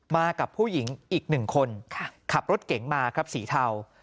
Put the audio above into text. มากับผู้หญิงอีก๑คนขับรถเก๋งมาสีเทา